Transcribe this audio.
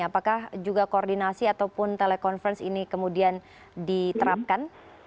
apakah juga koordinasi ataupun telekonferensi ini kemudian diterapkan